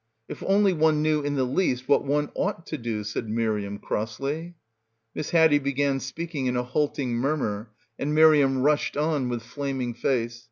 "If only one knew in the least what one ought to do," said Miriam crossly. Miss Haddie began speaking in a halting mur mur, and Miriam rushed on with flaming face.